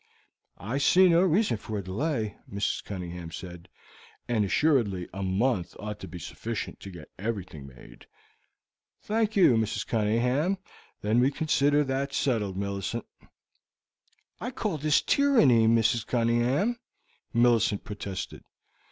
"I see no reason for delay," Mrs. Cunningham said; "and assuredly a month ought to be sufficient to get everything made." "Thank you, Mrs. Cunningham; then we can consider that settled, Millicent!" "I call this tyranny, Mrs. Cunningham," Millicent protested.